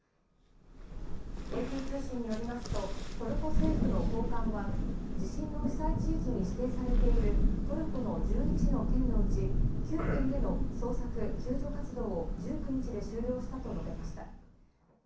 ＡＰ通信によりますとトルコ政府の高官は地震の被災地域に指定されているトルコの１１の県うち９県での捜索・救助活動を１９日で終了したと述べました。